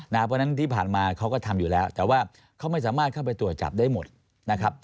เพราะฉะนั้นที่ผ่านมาเขาก็ทำอยู่แล้วแต่ว่าเขาไม่สามารถเข้าไปตรวจจับได้หมดนะครับ